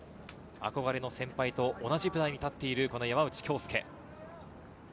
憧れの先輩と同じ舞台に立っている、山内恭輔。